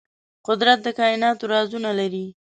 قدرت د کائناتو رازونه لري.